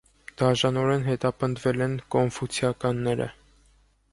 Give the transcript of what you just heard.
Դաժանորեն հետապնդվե ենլ կոնֆուցիականները։